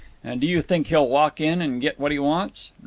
'And do you think he'll walk in and get what he wants?